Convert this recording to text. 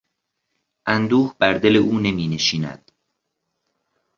اندوه بر دل او نمینشیند.